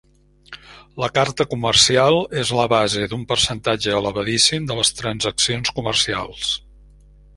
La carta comercial és la base d'un percentatge elevadíssim de les transaccions comercials.